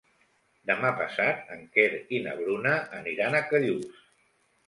Demà passat en Quer i na Bruna aniran a Callús.